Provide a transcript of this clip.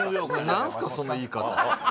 何すかその言い方